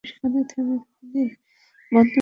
বন্ধন মুক্ত করে দাও।